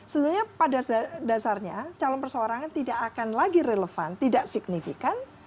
sebenarnya pada dasarnya calon perseorangan tidak akan lagi relevan tidak signifikan